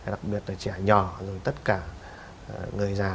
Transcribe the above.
đặc biệt là trẻ nhỏ rồi tất cả người già